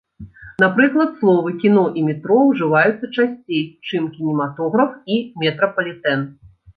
Напрыклад словы кіно і метро ўжываюцца часцей, чым кінематограф і метрапалітэн.